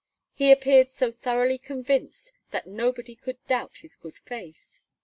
He appeared so thoroughly convinced that nobody could doubt his good faith.